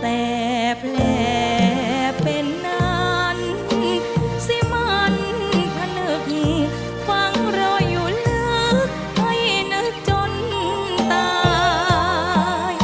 แต่แผลเป็นนั้นสิมันพนึกฟังรออยู่ลึกให้นึกจนตาย